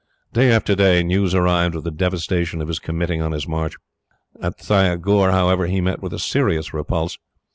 Day after day, news arrived of the devastation he was committing on his march. At Thiagur, however, he met with a serious repulse.